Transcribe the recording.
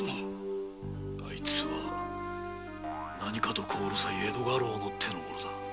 あいつは何かと小うるさい江戸家老の手の者だ。